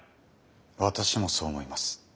私もそう思います。